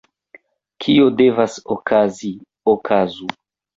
Kio devas okazi, okazu!